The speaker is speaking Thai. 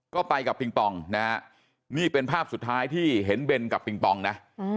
ก็ไปกับปิงปองนะฮะนี่เป็นภาพสุดท้ายที่เห็นเบนกับปิงปองนะ